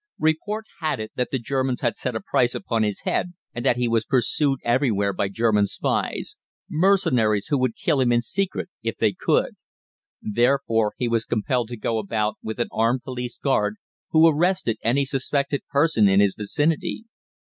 Report had it that the Germans had set a price upon his head, and that he was pursued everywhere by German spies mercenaries who would kill him in secret if they could. Therefore he was compelled to go about with an armed police guard, who arrested any suspected person in his vicinity.